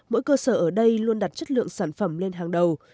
mỗi cơ sở ở đây luôn đặt chất lượng sản phẩm lên hàng đầu